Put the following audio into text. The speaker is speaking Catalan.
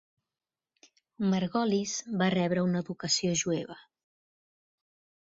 Margolis va rebre una educació jueva.